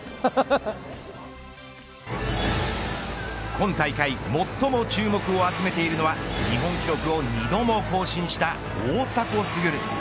今大会最も注目を集めているのは日本記録を２度も更新した大迫傑。